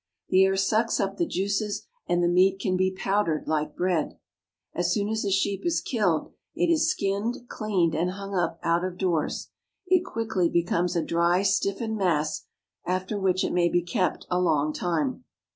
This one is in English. The air sucks up the juices, and the meat can be powdered like bread. As soon as a sheep is killed, it is skinned, cleaned, and hung up out of doors. It quickly becomes a dry, stiffened mass, after which it may be kept a long time.